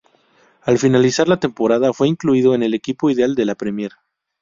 Al finalizar la temporada fue incluido en el equipo ideal de la Premier.